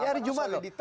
ya hari jumat loh